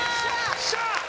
よっしゃ！